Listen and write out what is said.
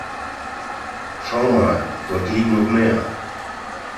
Schau mal, dort liegen noch mehr.